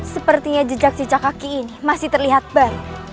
sepertinya jejak jejak kaki ini masih terlihat baru